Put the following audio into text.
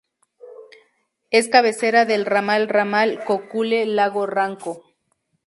Es cabecera del ramal Ramal Cocule-Lago Ranco.